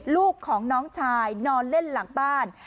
ลูกของน้องชายนอนเล่นหลังบ้าน